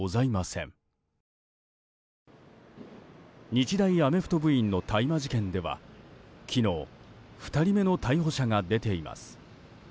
日大アメフト部員の大麻事件では昨日、２人目の逮捕者が出ています。